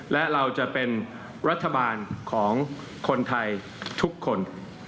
และเราจะเป็นรัฐบาลของคนไทยทุกคน